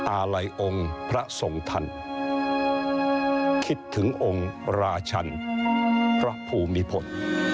อาลัยองค์พระทรงท่านคิดถึงองค์ราชันพระภูมิพล